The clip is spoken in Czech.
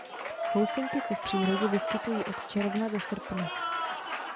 Housenky se v přírodě vyskytují od června do srpna.